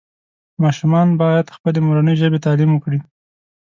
ماشومان باید پخپلې مورنۍ ژبې تعلیم وکړي